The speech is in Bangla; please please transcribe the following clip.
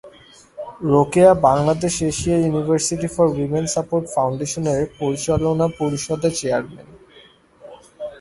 Rokeya Bangladesh Asia university for women support ফাউন্ডেশনের পরিচালনা পরিষদের চেয়ারম্যান।